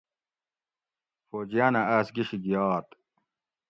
فوجیانہ آس گشی گیات